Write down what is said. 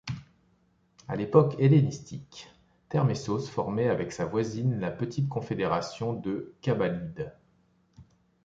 A l'époque hellénistique, Termessos formait avec sa voisine la petite confédération de Cabalide.